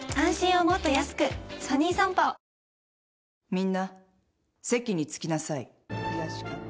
みんな席に着きなさい。